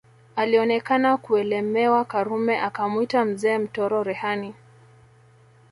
Alionekana kuelemewa Karume akamwita Mzee Mtoro Rehani